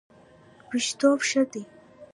ویښتوب ښه دی.